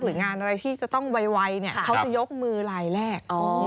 หรืองานอะไรที่จะต้องไวเนี่ยเขาจะยกมือลายแรก